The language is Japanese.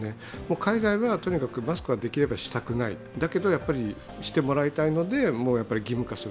海外ではとにかくマスクはできればしたくない、だけどやっぱりしてもらいたいので義務化する。